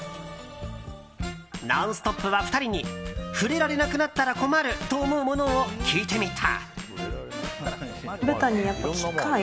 「ノンストップ！」は、２人に触れられなくなったら困るというものを聞いてみた。